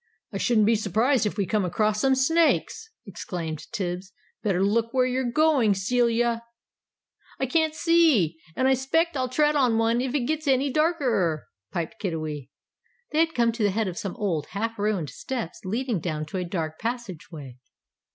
"I shouldn't be surprised if we come across some snakes!" exclaimed Tibbs. "Better look where you're going, Celia!" "I can't see! And I 'spect I'll tread on one if it gets any darkerer," piped Kiddiwee. They had come to the head of some old, half ruined steps leading down to a dark passageway.